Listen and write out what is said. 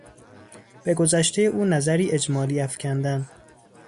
به گذشتهی او نظری اجمالی افکندن